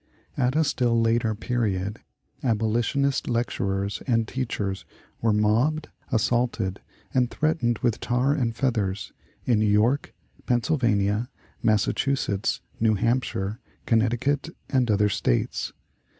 At a still later period, abolitionist lecturers and teachers were mobbed, assaulted, and threatened with tar and feathers in New York, Pennsylvania, Massachusetts, New Hampshire, Connecticut, and other States.